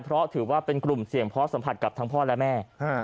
เพราะถือว่าเป็นกลุ่มเสี่ยงเพราะสัมผัสกับทั้งพ่อและแม่